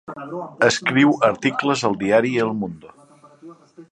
Escriu articles al diari El Mundo.